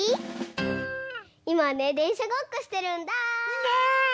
いまねでんしゃごっこしてるんだ。ね！